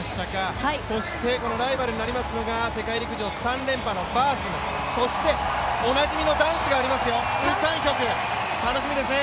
そしてライバルになりますのが世界陸上３連覇のバーシム、そしておなじみのダンスがありますよ、ウ・サンヒョク、楽しみですね。